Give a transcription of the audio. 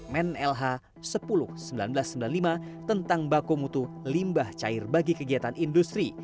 men lh sepuluh seribu sembilan ratus sembilan puluh lima tentang baku mutu limbah cair bagi kegiatan industri